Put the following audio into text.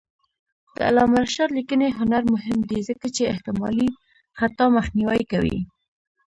د علامه رشاد لیکنی هنر مهم دی ځکه چې احتمالي خطا مخنیوی کوي.